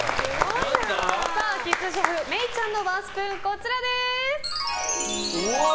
キッズシェフ、愛以ちゃんのワンスプーンはこちらです。